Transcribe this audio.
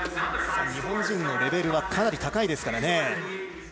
日本人のレベルはかなり高いですからね。